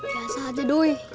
biasa aja doi